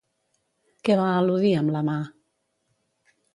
Què va al·ludir amb la mà?